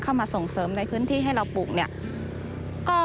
เข้ามาส่งเสริมในพื้นที่ให้เราปลูกเนี่ย